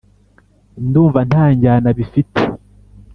Ndumva ntanjyana bifite